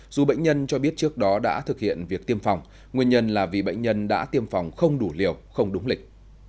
dù bệnh nhân cho biết trước đó đã thực hiện việc tiêm phòng nguyên nhân là vì bệnh nhân đã tiêm phòng không đủ liều không đúng lịch